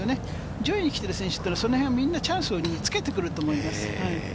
上位に来てる選手っていうのはみんなチャンスにつけてきてると思います。